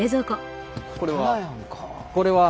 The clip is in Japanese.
これは？